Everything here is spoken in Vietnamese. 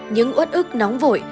những ướt ức nóng vội